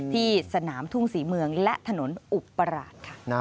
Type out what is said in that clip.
ที่สนามทุ่งศรีเมืองและถนนอุบลราชธานีกลางเมืองค่ะ